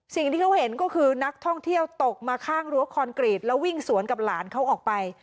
สิ่งที่เขาเห็นก็คือนักท่องเที่ยวตกมาข้างรั้วคอนกรีตแล้ววิ่งสวนกับหลานเขาออกไป